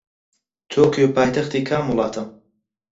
تۆکیۆ پایتەختی کام وڵاتە؟